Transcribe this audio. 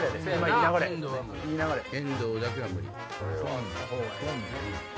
遠藤だけは無理。